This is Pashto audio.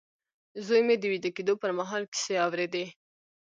زوی مې د ويده کېدو پر مهال کيسې اورېدې.